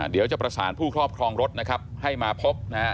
เดี๋ยวจะประสานผู้ครอบครองรถนะครับให้มาพบนะฮะ